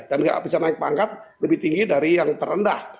dan bisa naik pangkat lebih tinggi dari yang terendah